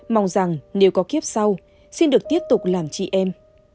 mong rằng nếu có kiếp sau xin được tiếp tục làm chị em